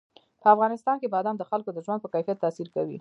په افغانستان کې بادام د خلکو د ژوند په کیفیت تاثیر کوي.